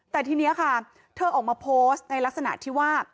แต่ทีนี้ค่ะเธอออกมาโพสต์ในลักษณะที่ว่า